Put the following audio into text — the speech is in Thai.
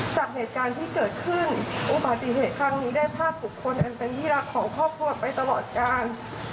จากเหตุการณ์ที่เกิดขึ้นอุบัติเหตุครั้งนี้ได้ภาพบุคคลอันเป็นที่รักของครอบครัวไปตลอดการ